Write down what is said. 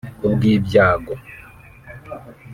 Ku bw’ibyago